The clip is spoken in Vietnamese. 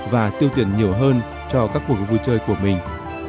và tiêu tiền nhiều hơn cho các cuộc vui chơi của mình